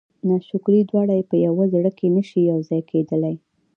ناشکري دواړه په یوه زړه کې نه شي یو ځای کېدلی.